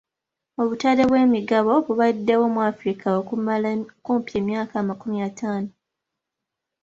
Obutale bw'emigabo bubaddewo mu Afirika okumala kumpi emyaka amakumi ataano.